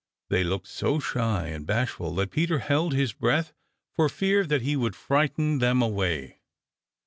They looked so shy and bashful that Peter held his breath for fear that he would frighten them away.